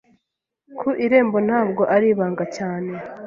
Ku irembo ntabwo ari ibanga cyane